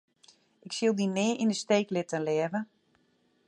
Ik sil dy nea yn 'e steek litte, leave.